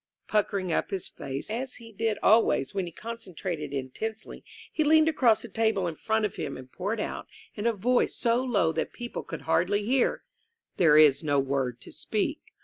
Puckering up his face, as he did always when he con centrated intensely, he leaned across the table in front of him and poured out, in a voice so low that people could hardly hear : "There is no word to speak.